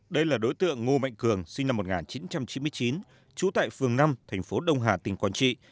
đây là đối tượng ngô mạnh cường sinh năm một nghìn chín trăm chín mươi chín trú tại phường năm thành phố đông hà tỉnh quảng trị